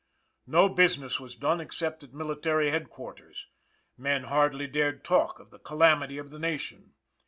No business was done except at Military Headquarters. Men hardly dared talk of the calamity of the nation.